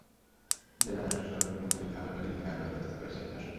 জেলা জাসদের সভাপতি মুক্তিযোদ্ধা আবদুল মজিদকে মেয়র পদে প্রার্থী করেছে জাসদ।